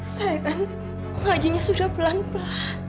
saya kan ngajinya sudah pelan pelan